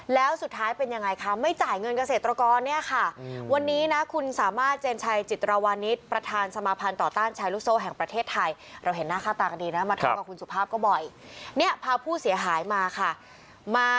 แล้วสุดท้ายเป็นยังไงคะไม่จ่ายเงินเกษตรกรเนี่ยค่ะ